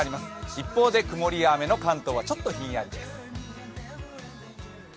一方で曇りや雨の関東はちょっとひんやりです。